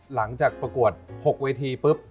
หลังจากประกวด๖เวทีปุ๊บ